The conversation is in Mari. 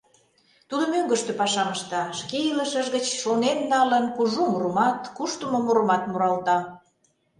Тудо мӧҥгыштӧ пашам ышта, шке илышыж гыч шонен налын, кужу мурымат, куштымо мурымат муралта.